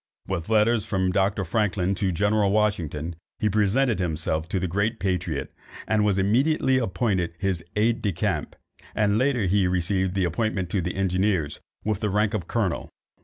With letters from Dr. Franklin to General Washington, he presented himself to the great patriot, and was immediately appointed his aid de camp, and later he received the appointment to the engineers, with the rank of colonel.